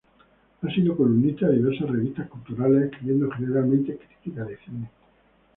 Ha sido columnista de diversas revistas culturales escribiendo generalmente crítica de cine.